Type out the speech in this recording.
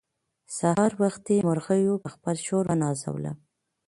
سهار وختي مرغيو په خپل شور ونازولم.